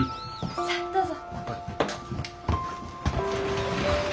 さあどうぞ。